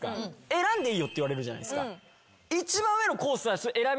選んでいいよって言われるじゃないですか。